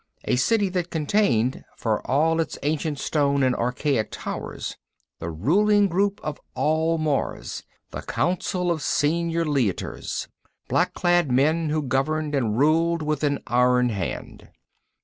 A City that contained, for all its ancient stone and archaic towers, the ruling group of all Mars, the Council of Senior Leiters, black clad men who governed and ruled with an iron hand.